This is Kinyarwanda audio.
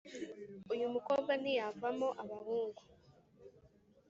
uyumukobwa ntiyumvamo abahungu